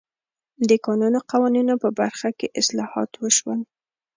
د کانونو قوانینو په برخه کې اصلاحات وشول.